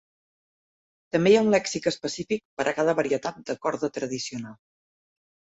També hi ha un lèxic específic per a cada varietat de corda tradicional.